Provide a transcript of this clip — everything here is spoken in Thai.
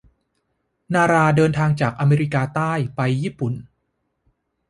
นาราเดินทางจากอเมริกาใต้ไปญี่ปุ่น